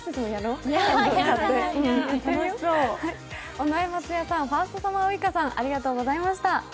尾上松也さん、ファーストサマーウイカさんありがとうございました。